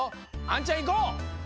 あんちゃんいこう！